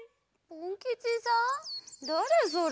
だれそれ？